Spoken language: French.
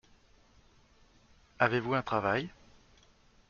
Avez-vous un travail ?